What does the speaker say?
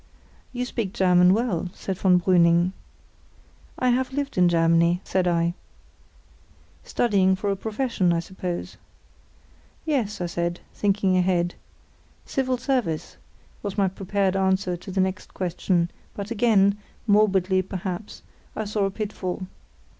"You speak German well," said von Brüning. "I have lived in Germany," said I. "Studying for a profession, I suppose?" "Yes," said I, thinking ahead. "Civil Service," was my prepared answer to the next question, but again (morbidly, perhaps) I saw a pitfall.